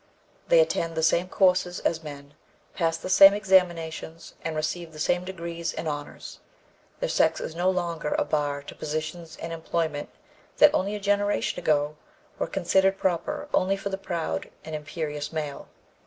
They attend the same courses as men, pass the same examinations and receive the same degrees and honors. Their sex is no longer a bar to positions and employment that only a generation ago were considered proper only for the proud and imperious male.